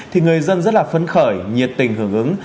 thì người dân rất là phấn khởi nhiệt tình hưởng ứng